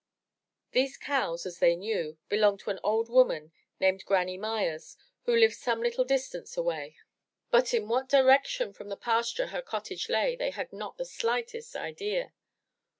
These cows as they knew, belonged to an old woman named Granny Myers who lived some Uttle distance away. But in what direction from the pasture her cottage lay, they had not the slightest idea.